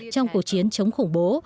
trong cuộc chiến chống khủng bố